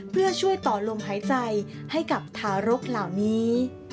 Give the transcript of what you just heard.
เพื่อช่วยต่อลมหายใจให้กับทารกเหล่านี้